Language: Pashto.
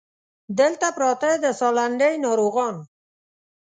دلته پراته د سالنډۍ ناروغان